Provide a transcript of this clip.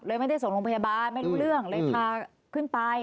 ไม่ได้ส่งโรงพยาบาลไม่รู้เรื่องเลยพาขึ้นไป